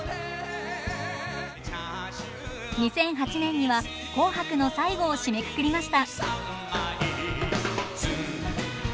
２００８年には「紅白」の最後を締めくくりました。